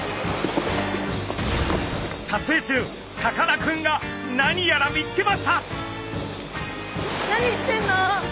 撮影中さかなクンがなにやら見つけました！